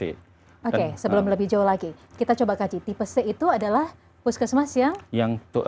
oke sebelum lebih jauh lagi kita coba kaji tipe c itu adalah puskesmas yang